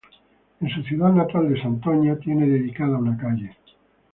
En su ciudad natal de Santoña tiene dedicada una calle.